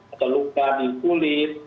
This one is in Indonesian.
atau lupa di kulit